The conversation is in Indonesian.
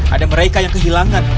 ada mereka yang kehilangan